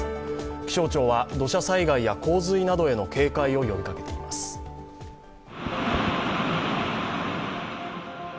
気象庁は、土砂災害や交通への警戒を呼びかけています。